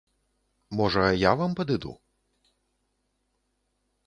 Можа, я вам падыду?